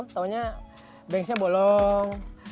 taunya banksnya bolong